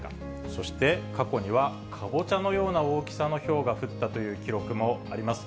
そして、過去にはかぼちゃのような大きさのひょうが降ったという記録もあります。